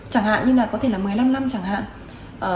chẳng hạn như là có thể là một mươi năm năm chẳng hạn